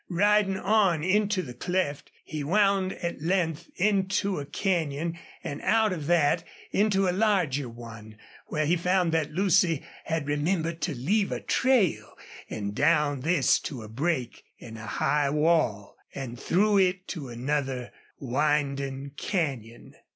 Riding on into the cleft, he wound at length into a canyon and out of that into a larger one, where he found that Lucy had remembered to leave a trail, and down this to a break in a high wall, and through it to another winding, canyon.